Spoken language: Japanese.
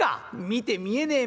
見て見えねえ